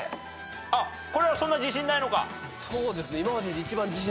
あっこれはそんな自信ないのか。